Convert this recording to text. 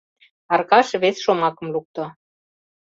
— Аркаш вес шомакым лукто.